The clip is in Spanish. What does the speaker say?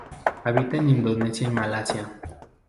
Habita en Indonesia y Malasia.